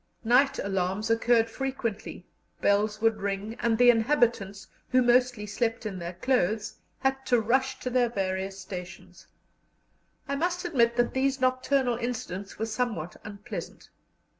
Night alarms occurred frequently; bells would ring, and the inhabitants, who mostly slept in their clothes, had to rush to their various stations. I must admit that these nocturnal incidents were somewhat unpleasant.